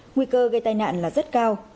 nguy cơ gây tai nạn là rất cao